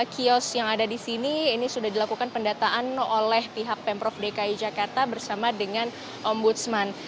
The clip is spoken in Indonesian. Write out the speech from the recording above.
kios yang ada di sini ini sudah dilakukan pendataan oleh pihak pemprov dki jakarta bersama dengan ombudsman